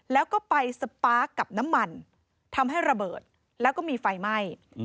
แล้วก็ไปสปาร์คกับน้ำมันทำให้ระเบิดแล้วก็มีไฟไหม้